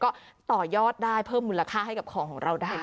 ก็ต่อยอดได้เพิ่มมูลค่าให้กับของของเราได้